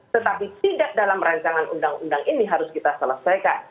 tetapi tidak dalam rancangan undang undang ini harus kita selesaikan